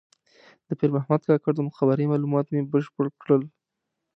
د پیر محمد کاکړ د مقبرې معلومات مې بشپړ کړل.